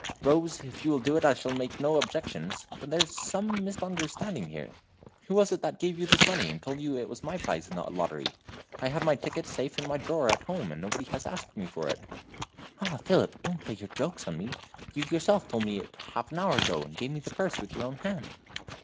"Rose, if you will do it I shall make no objections. But there's some misunderstanding here. Who was it that gave you this money, and told you it was my prize in the lottery? I have my ticket safe in my drawer at home, and nobody has asked me for it." "Ah! Philip, don't play your jokes on me! you yourself told me it half an hour ago, and gave me the purse with your own hand."